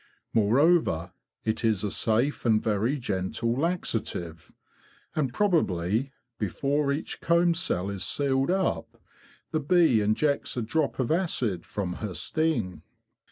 Moreover, it is a safe and very gentle laxative. And probably, before each comb cell is sealed up, the bee injects a drop of acid from her sting.